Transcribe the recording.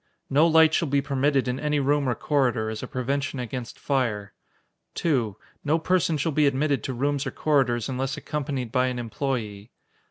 No light shall be permitted in any room or corridor, as a prevention against fire. 2. No person shall be admitted to rooms or corridors unless accompanied by an employee.